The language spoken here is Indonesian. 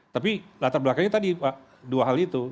tapi latar belakangnya tadi dua hal itu